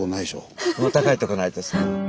もう高いとこないです。